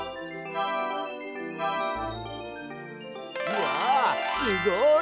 うわすごい！